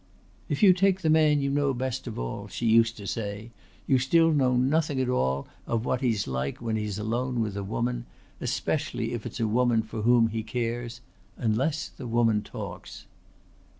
"If you take the man you know best of all," she used to say, "you still know nothing at all of what he's like when he's alone with a woman, especially if it's a woman for whom he cares unless the woman talks."